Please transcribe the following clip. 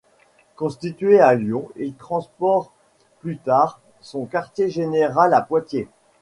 Constitué à Lyon, il transport plus tard son quartier général à Poitiers.